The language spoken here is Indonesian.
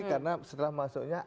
karena setelah masuknya